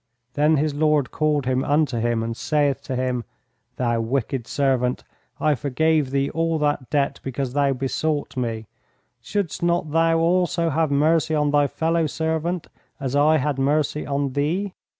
Then his lord called him unto him and saith to him, Thou wicked servant, I forgave thee all that debt because thou besought me; shouldst not thou also have mercy on thy fellow servant as I had mercy on thee?"